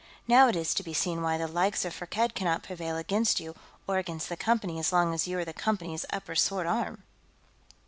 Now it is to be seen why the likes of Firkked cannot prevail against you, or against the Company as long as you are the Company's upper sword arm!"